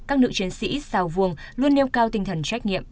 các nữ chiến sĩ sao vuông luôn nêu cao tinh thần trách nhiệm